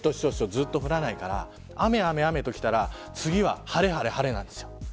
ずっと降らないから雨、雨、雨ときたら次は晴れ、晴れ、晴れなんですよ。